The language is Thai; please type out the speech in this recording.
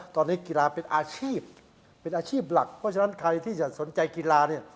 ตอนนี้กีฬาเป็นอาชีพเป็นอาชีพหลักเพราะฉะนั้นใครที่จะสนใจกีฬาเนี่ย